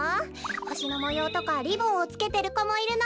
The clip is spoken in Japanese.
ほしのもようとかリボンをつけてるこもいるの。